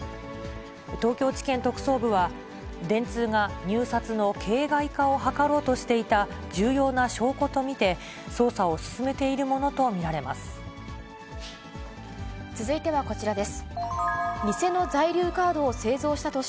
東京地検特捜部は、電通が入札の形骸化を図ろうとしていた重要な証拠と見て、捜査を続いてはこちらです。